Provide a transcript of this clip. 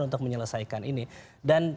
untuk menyelesaikan ini dan